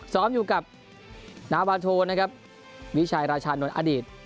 ซ้อมอยู่กับนาวาโทนะครับวิชัยราชานนท์อดีต